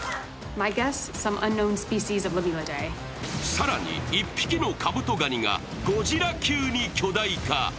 更に１匹のカブトガニがゴジラ級に巨大化。